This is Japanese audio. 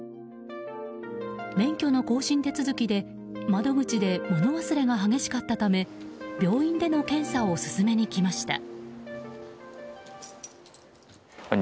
免許の更新手続きで窓口で物忘れが激しかったため病院での検査を勧めに来ました。